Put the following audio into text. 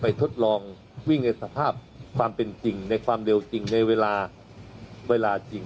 ทดลองวิ่งในสภาพความเป็นจริงในความเร็วจริงในเวลาเวลาจริง